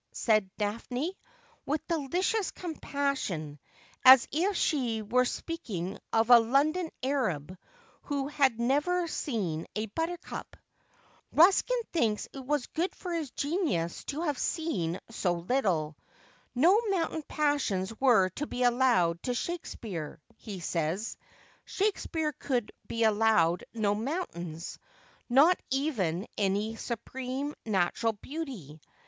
said Daphne, with delicious compassion ; as if she were speaking of a London Arab who had never seen a buttercup. ' Ruskin thinks it was good for his genius to have seen so little. " No mountain passions were to be allowed to Shakespeare," he says; " Shakespeare could be allowed no mountains — not even any supreme natural beauty.